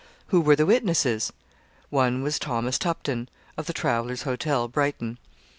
Who were the witnesses? One was Thomas Tupton, of the Travellers' Hotel, Brighton.